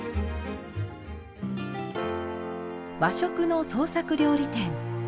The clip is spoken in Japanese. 和食の創作料理店。